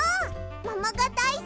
ももがだいすき！